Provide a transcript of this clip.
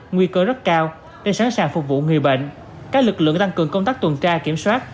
nguy cơ rất cao để sẵn sàng phục vụ người bệnh các lực lượng tăng cường công tác tuần tra kiểm soát